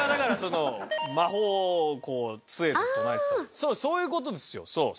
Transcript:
そうそういう事ですよ。